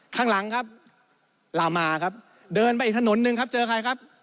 ข้างหลังครับลามาครับเดินไปอีกถนนหนึ่งครับเจอใครครับ